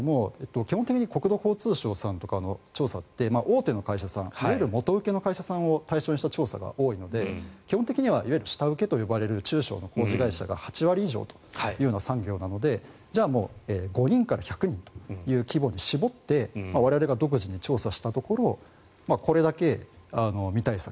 基本的に国土交通省さんとかの調査って大手の会社さんいわゆる元受けの会社さんを対象にした調査が多いので基本的には下請けと呼ばれる中小の工事会社が８割以上という産業なのでじゃあ、５人から１００人という規模に絞って我々が独自に調査したところこれだけ未対策。